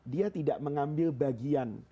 dia tidak mengambil bagian